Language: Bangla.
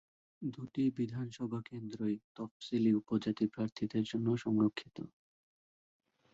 দুটি বিধানসভা কেন্দ্রই তফসিলি উপজাতি প্রার্থীদের জন্য সংরক্ষিত।